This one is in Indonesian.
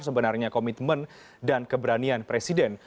sebenarnya komitmen dan keberanian presiden